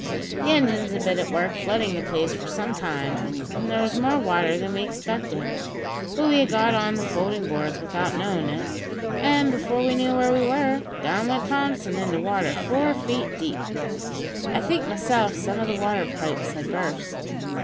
The engines had been at work flooding the place for some time, and there was more water than we expected; but we had got on the folding boards without knowing it, an' before we knew where we were, down went Thompson into water four feet deep. I think myself some of the water pipes had burst.